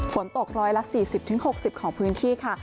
ฝนตกร้อยละ๔๐๖๐ของพื้นที่ค่ะ